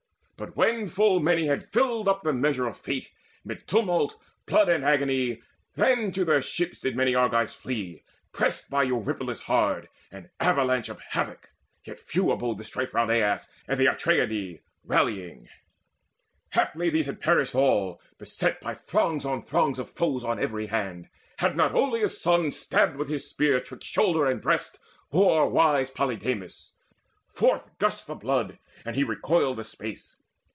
But when full many had filled the measure up Of fate, mid tumult, blood and agony, Then to their ships did many Argives flee Pressed by Eurypylus hard, an avalanche Of havoc. Yet a few abode the strife Round Aias and the Atreidae rallying; And haply these had perished all, beset By throngs on throngs of foes on every hand, Had not Oileus' son stabbed with his spear 'Twixt shoulder and breast war wise Polydamas; Forth gushed the blood, and he recoiled a space.